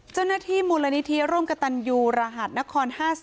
เจ้าหน้าที่มูลนิธิร่วมกับตันยูรหัสนคร๕๐